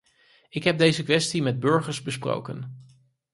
Ik heb deze kwestie met burgers besproken.